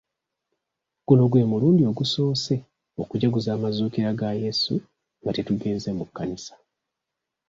Guno gwe mulundi ogusoose okujaguza amazuukira ga yesu nga tetugenze mu kkanisa.